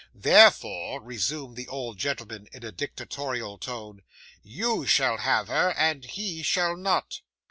'"Therefore," resumed the old gentleman, in a dictatorial tone, "you shall have her, and he shall not."